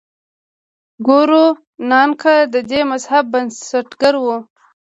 ګورو نانک د دې مذهب بنسټګر و.